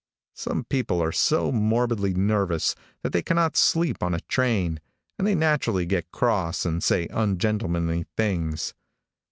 Some people are so morbidly nervous that they cannot sleep on a train, and they naturally get cross and say ungentlemanly things.